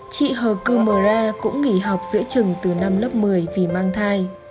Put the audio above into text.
chị hờ kumara cũng nghỉ học giữa trừng từ năm lớp một mươi vì mang thai